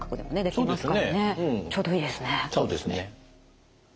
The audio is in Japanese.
そうですね。